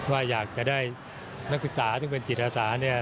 ว่าอยากจะได้นักศึกษาซึ่งเป็นจิตอาสาเนี่ย